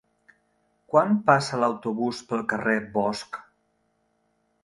Quan passa l'autobús pel carrer Bosc?